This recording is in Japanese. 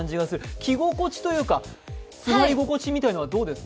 着心地というか、座り心地というのはどうですか？